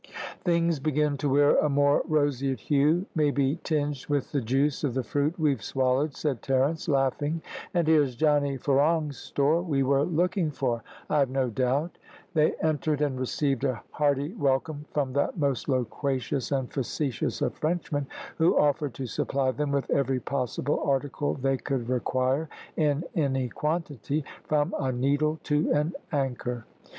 "Things begin to wear a more roseate hue, maybe tinged with the juice of the fruit we've swallowed," said Terence, laughing, "and here's Johnny Ferong's store we were looking for, I've no doubt." They entered, and received a hearty welcome from that most loquacious and facetious of Frenchmen, who offered to supply them with every possible article they could require in any quantity, from a needle to an anchor.